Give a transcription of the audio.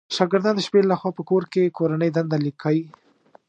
شاګردان د شپې لخوا په کور کې کورنۍ دنده ليکئ